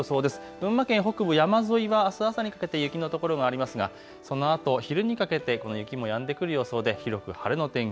群馬県北部、山沿いはあす朝にかけて雪の所がありますがそのあと昼にかけてこの雪もやんでくる予想で広く晴れの天気。